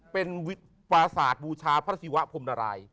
เป็นวิตประสาทบูชาพระศีวะภงษ์นารัย